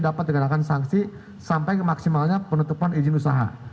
dapat dikenakan sanksi sampai ke maksimalnya penutupan izin usaha